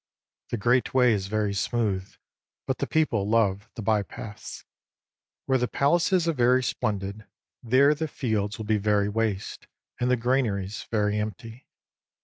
The Great Way is very smooth, but the people love the by paths. Where the palaces are very splendid, there the 26 fields will be very waste, and the granaries very empty.